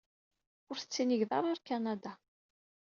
Ur tettiniged ara ɣer Kanada.